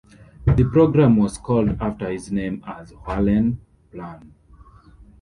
The programme was called after his name, as "Wahlen Plan".